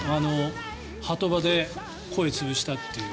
波止場で声を潰したという。